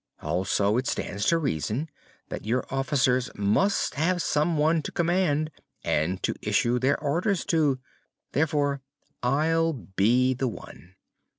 Also, it stands to reason that your officers must have some one to command and to issue their orders to; therefore I'll be the one.